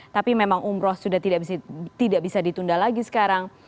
tapi memang umroh sudah tidak bisa ditunda lagi sekarang